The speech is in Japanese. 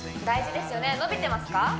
大事ですよね伸びてますか？